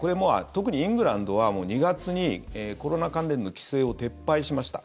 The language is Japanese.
特にイングランドは２月にコロナ関連の規制を撤廃しました。